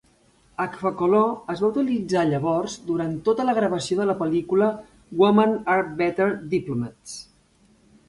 Agfacolor es va utilitzar llavors durant tota la gravació de la pel·lícula Women Are Better Diplomats.